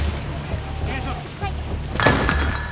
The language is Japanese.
お願いします